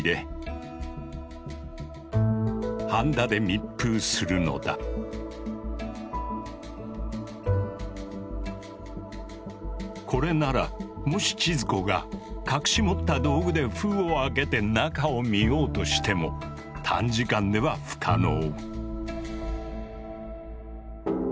水道などに使う鉛管をこれならもし千鶴子が隠し持った道具で封を開けて中を見ようとしても短時間では不可能。